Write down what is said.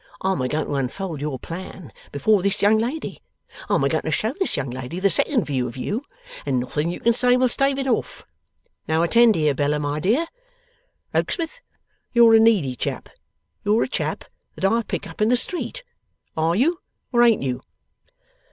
I'm a going to unfold your plan, before this young lady; I'm a going to show this young lady the second view of you; and nothing you can say will stave it off. (Now, attend here, Bella, my dear.) Rokesmith, you're a needy chap. You're a chap that I pick up in the street. Are you, or ain't you?